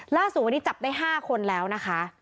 ล่าสุดวันนี้จับได้๕คนแล้วนะคะ